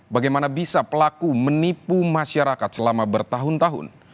bagaimana bisa pelaku menipu masyarakat selama bertahun tahun